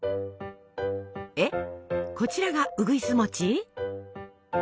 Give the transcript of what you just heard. えっこちらがうぐいす餅？